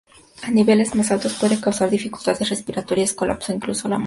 A niveles más altos puede causar dificultades respiratorias, colapso e incluso la muerte.